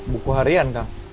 buku harian kang